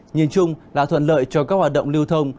nhìn chung là thuận lợi cho các hoạt động lưu thông